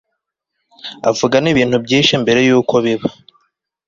avuga n'ibintu byihishe mbere y'uko biba